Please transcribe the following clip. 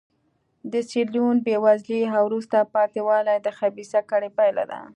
د سیریلیون بېوزلي او وروسته پاتې والی د خبیثه کړۍ پایله ده.